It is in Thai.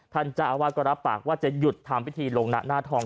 เจ้าอาวาสก็รับปากว่าจะหยุดทำพิธีลงหน้าทอง